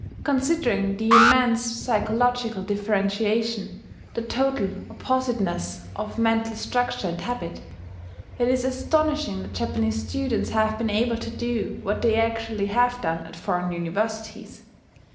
Considering the immense psychological differentiation, the total oppositeness of mental structure and habit, it is astonishing that Japanese students have been able to do what they actually have done at foreign Universities.